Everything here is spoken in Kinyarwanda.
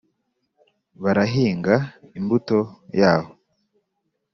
Barahinga imbuto yaho